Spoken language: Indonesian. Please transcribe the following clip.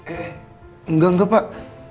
eh enggak enggak pak